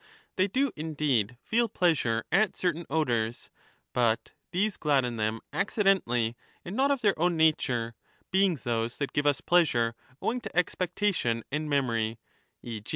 They do, indeed, feel pleasure at certain odours ; but these gladden them accidentally and not of their own nature, being those that give us pleasure owing to expectation and memory, e.